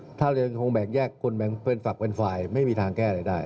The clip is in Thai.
ถ้าเรียนคงแบ่งแยกคนแบ่งเป็นฝักเป็นฝ่ายไม่มีทางแก้อะไรได้